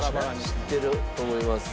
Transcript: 知ってると思います。